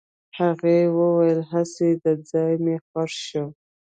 هغې وويل هسې دا ځای مې خوښ شو.